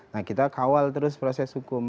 nah kita kawal terus proses hukum